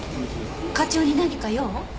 課長に何か用？